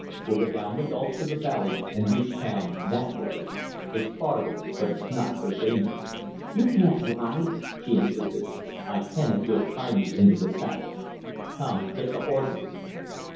We'll go down the gulch to the valley and reach town that way. It's farther but it's not so dangerous." "You can't ride," she insisted. "I can if you'll tie me into the saddle. Come, get the horses."